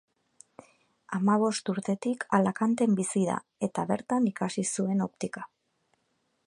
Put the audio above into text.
Hamabost urtetik Alacanten bizi da eta bertan ikasi zuen optika.